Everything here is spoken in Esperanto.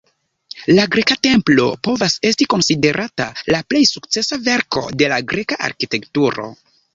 La greka templo povas esti konsiderata la plej sukcesa verko de la Greka arkitekturo.